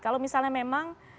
kalau misalnya memang